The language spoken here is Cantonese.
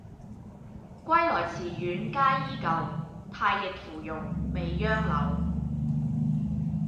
歸來池苑皆依舊，太液芙蓉未央柳。